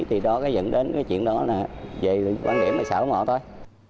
thì đó dẫn đến chuyện đó là về quan điểm sở mộ thôi